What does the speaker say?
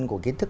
của kiến thức